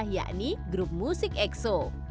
yakni grup musik exo